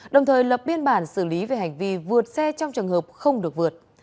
đồng thời lập biên bản xử lý về hành vi vượt xe trong trường hợp không được vượt